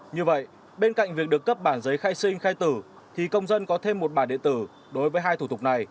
như vậy bên cạnh việc được cấp bản giấy khai sinh khai tử thì công dân có thêm một bản điện tử